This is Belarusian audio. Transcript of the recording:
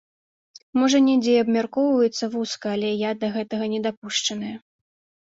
Можа, недзе і абмяркоўваецца вузка, але я да гэтага не дапушчаная.